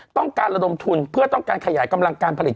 ต้องการระดมทุนเพื่อต้องการขยายกำลังการผลิต